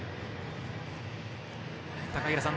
高平さん